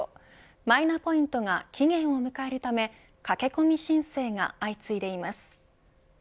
マイナポイントが期限を迎えるため駆け込み申請が相次いでいます。